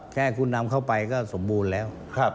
แค่คุณนำเข้าไปก็สมบูรณ์แล้ว